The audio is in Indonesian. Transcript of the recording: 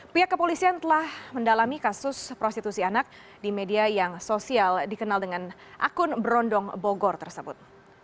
pihak kepolisian telah mendalami kasus prostitusi anak di media yang sosial dikenal dengan akun berondong bogor tersebut